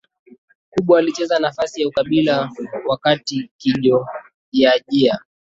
kubwa Alicheza nafasi ya ukabila wakati Kijojiajia